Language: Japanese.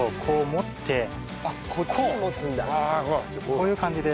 こういう感じで。